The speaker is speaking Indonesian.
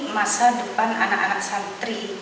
masa depan anak anak santri